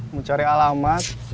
mau cari alamat